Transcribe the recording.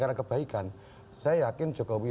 cara kebaikan saya yakin jokowi